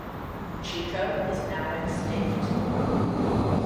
Chico is now extinct.